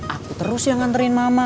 aku terus yang nganterin mama